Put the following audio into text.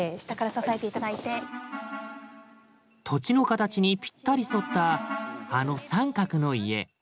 土地の形にぴったり沿ったあの三角の家。